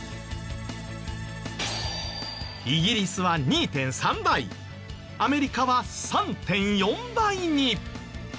イギリスは２．３倍アメリカは３．４倍に。